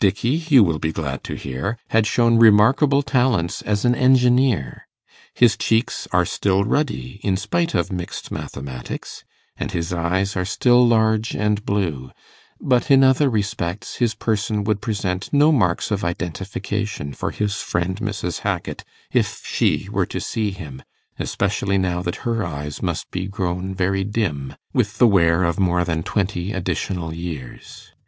Dickey, you will be glad to hear, had shown remarkable talents as an engineer. His cheeks are still ruddy, in spite of mixed mathematics, and his eyes are still large and blue; but in other respects his person would present no marks of identification for his friend Mrs. Hackit, if she were to see him; especially now that her eyes must be grown very dim, with the wear of more than twenty additional years.